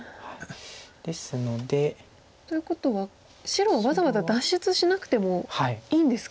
ですので。ということは白はわざわざ脱出しなくてもいいんですか。